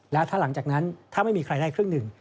แล้วถ้าหลังจากนั้นถ้าไม่มีใครได้ครึ่งหนึ่ง